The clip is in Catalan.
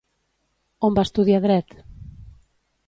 On va estudiar Dret?